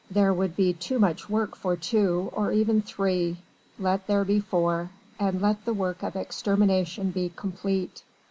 There would be too much work for two, or even three. Let there be four and let the work of extermination be complete.